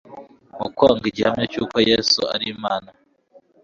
Mu kwanga igihamya cy'uko Yesu ari Imana,